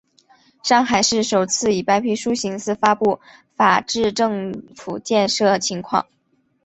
上海市首次以白皮书形式发布法治政府建设情况。